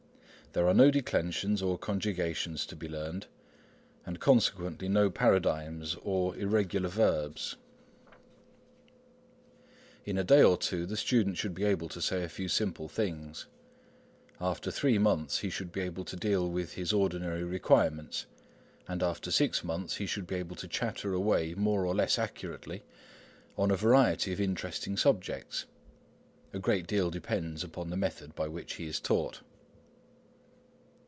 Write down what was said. There are no Declensions or Conjugations to be learned, and consequently no Paradigms or Irregular Verbs. In a day or two the student should be able to say a few simple things. After three months he should be able to deal with his ordinary requirements; and after six months he should be able to chatter away more or less accurately on a variety of interesting subjects. A great deal depends upon the method by which he is taught.